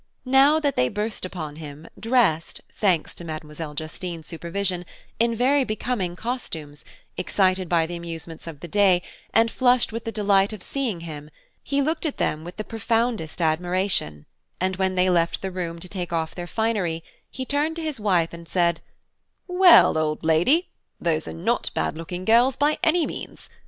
Now that they burst upon him dressed, thanks to Mademoiselle Justine's supervision, in very becoming costumes, excited by the amusements of the day, and flushed with the delight of seeing him–he looked at them with the profoundest admiration, and when they left the room to take off their finery, he turned to his wife and said, "Well, old lady, those are not bad looking girls, by any means.